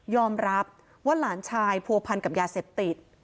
รับว่าหลานชายผัวพันกับยาเสพติด